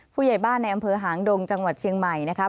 ผู้ใหญ่บ้านในอำเภอหางดงจังหวัดเชียงใหม่นะครับ